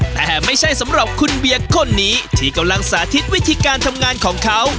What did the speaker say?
แต่ไม่ใช่สำหรับคุณเบียร์คนนี้ที่กำลังสาธิตวิธีการทำงานของเขา